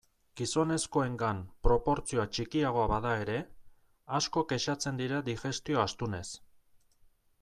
Gizonezkoengan proportzioa txikiagoa bada ere, asko kexatzen dira digestio astunez.